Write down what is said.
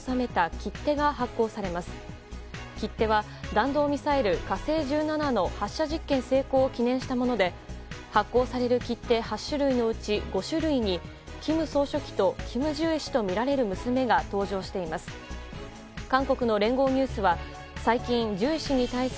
切手は弾道ミサイル「火星１７」の発射実験成功を記念したもので発行される切手の８枚のうち５種類に金総書記とキム・ジュエ氏とみられる娘が登場しています。